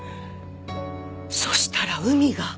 そしたら海が。